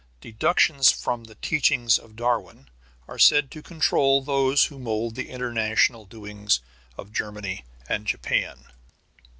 Deductions from the teachings of Darwin are said to control those who mould the international doings of Germany and Japan.